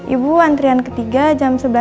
ibu antrian ketiga di rumah sakit sejahtera